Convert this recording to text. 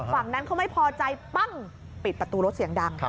ฝั่งนั้นเขาไม่พอใจปั้งปิดประตูรถเสียงดัง